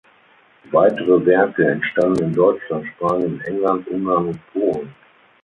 Weitere Werke entstanden in Deutschland, Spanien, England, Ungarn und Polen.